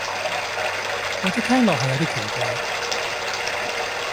或者聽落係有啲奇怪